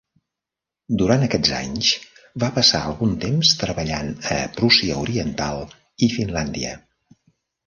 Durant aquests anys, va passar algun temps treballant a Prússia Oriental i Finlàndia.